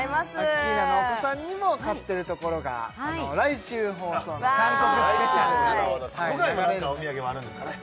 アッキーナのお子さんにも買ってるところが来週放送の韓国スペシャル僕らへも何かお土産はあるんですかね？